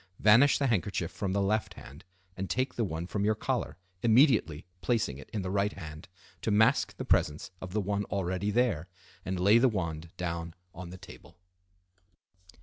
Vanish the handkerchief from the left hand, and take the one from your collar, immediately placing it in the right hand to mask the presence of the one already there, and lay the wand down on the table.